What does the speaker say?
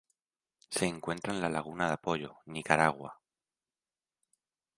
Se encuentra en la Laguna de Apoyo: Nicaragua.